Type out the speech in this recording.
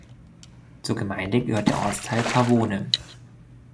Zur Gemeinde gehört der Ortsteil Pavone.